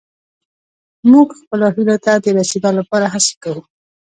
موږ خپلو هيلو ته د رسيدا لپاره هڅې کوو.